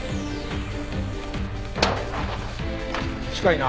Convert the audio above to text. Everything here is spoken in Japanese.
近いな。